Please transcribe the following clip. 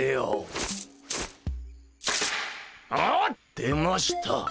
出ました！